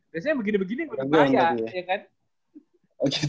biasanya begini begini udah kaya iya kan